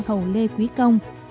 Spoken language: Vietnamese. hầu lê quý công